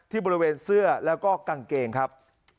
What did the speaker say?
ที่บริเวณเสื้อแล้วก็กางเกงครับ